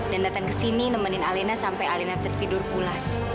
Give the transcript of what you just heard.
dan datang ke sini nemenin alina sampai alina tertidur pulas